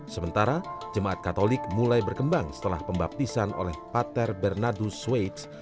sementara jemaat katolik mulai berkembang setelah pembaptisan oleh pater bernadu swaits